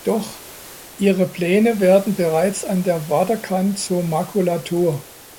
Doch ihre Pläne werden bereits an der Waterkant zur Makulatur.